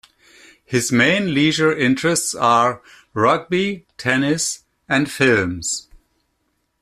His main leisure interests are: rugby, tennis and films.